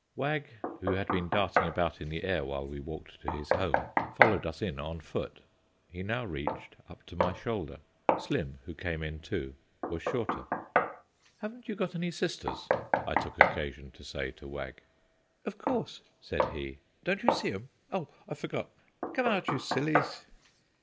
Wag, who had been darting about in the air while we walked to his home, followed us in on foot. He now reached up to my shoulder. Slim, who came in too, was shorter. "Haven't you got any sisters?" I took occasion to say to Wag. "Of course," said he; "don't you see 'em? Oh! I forgot. Come out, you sillies!"